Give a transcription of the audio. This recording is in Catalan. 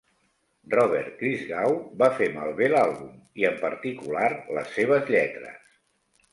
Robert Christgau va fer malbé l'àlbum, i en particular les seves lletres.